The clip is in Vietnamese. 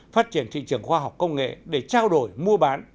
phát triển thị trường khoa học công nghệ để trao đổi mua bán